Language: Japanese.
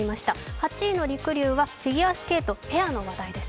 ８位のりくりゅうはフィギュアスケート、ペアの話題です。